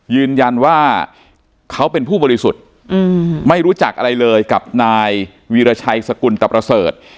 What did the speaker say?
ยืนยันว่าเขาเป็นผู้บริสุทธิ์ไม่รู้จักอะไรเลยกับนายวีรชัยสกุลตะประเสริฐ